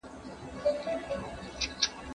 د افغانستان د استقلال د ورځي